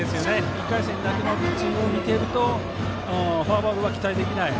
１回戦のピッチングを見ているとフォアボールは期待できない。